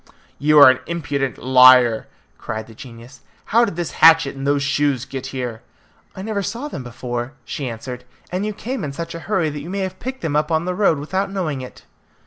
"You are an impudent liar!" cried the genius. "How did this hatchet and those shoes get here?" "I never saw them before," she answered, "and you came in such a hurry that you may have picked them up on the road without knowing it."